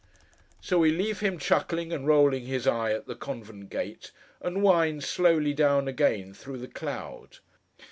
So we leave him, chuckling and rolling his eye at the convent gate, and wind slowly down again through the cloud.